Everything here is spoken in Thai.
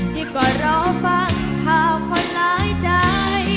ที่ก็รอฟังข่าวคนหลายใจ